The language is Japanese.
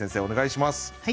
お願いします。